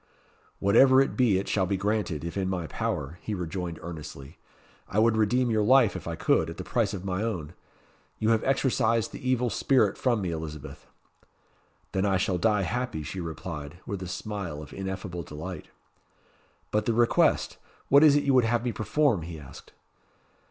"Whatever it be it shall be granted, if in my power," he rejoined earnestly. "I would redeem your life, if I could, at the price of my own. You have exorcised the evil spirit from me, Elizabeth." "Then I shall die happy," she replied, with a smile of ineffable delight. "But the request! What is it you would have me perform?" he asked.